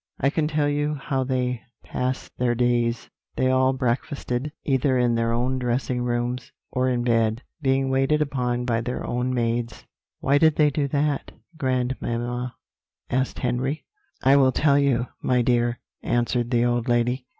I can tell you how they passed their days. They all breakfasted either in their own dressing rooms or in bed, being waited upon by their own maids." "Why did they do that, grandmamma?" asked Henry. "I will tell you, my dear," answered the old lady.